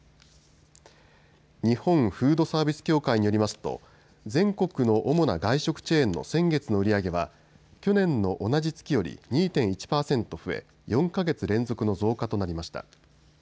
日本フードサービス協会によりますと全国の主な外食チェーンの先月の売り上げは去年の同じ月より２．１％増え４か月連続の増加となりました。